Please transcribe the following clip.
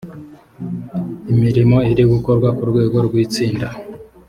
imirimo iri gukorwa ku rwego rw’ itsinda